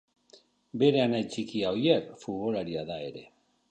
Bere anai txikia Oier futbolaria da ere.